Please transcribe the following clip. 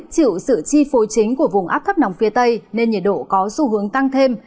chịu sự chi phối chính của vùng áp thấp nóng phía tây nên nhiệt độ có xu hướng tăng thêm